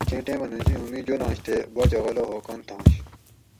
کیں ٹیمہ نجومی جولاںش تے باچہ غلو ہو کُن تھاش